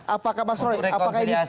apakah mas roy apakah ini